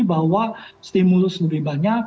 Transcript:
bahwa stimulus lebih banyak